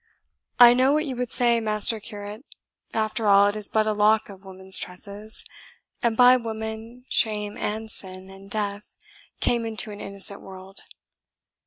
"I know what you would say, Master Curate, After all, it is but a lock of woman's tresses; and by woman, shame, and sin, and death came into an innocent world.